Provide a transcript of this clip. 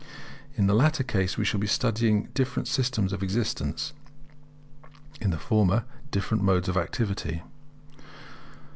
In the latter case we shall be studying different systems of existence; in the former, different modes of activity.